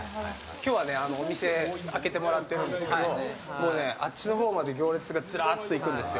今日はお店を開けてもらってるんですけどあっちのほうまで行列がずらっといくんですよ。